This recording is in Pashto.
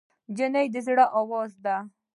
نجلۍ د زړه آواز دی.